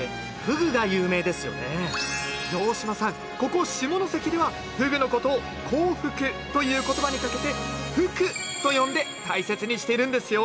ここ下関ではふぐのことを「幸福」という言葉に掛けて「ふく」と呼んで大切にしているんですよ。